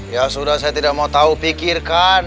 ya sudah saya tidak mau tahu pikirkan